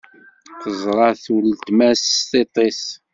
Teẓra-t uletma s tiṭ-is.